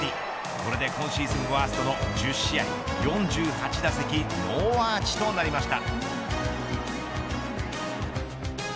これで、今シーズンワーストの１０試合４８打席ノーアーチとなりました。